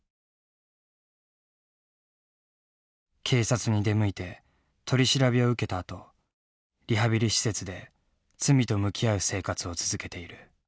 警察に出向いて取り調べを受けたあとリハビリ施設で罪と向き合う生活を続けている。